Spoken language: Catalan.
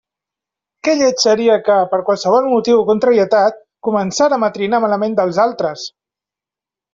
Que lleig seria que, per qualsevol motiu o contrarietat, començàrem a trinar malament dels altres!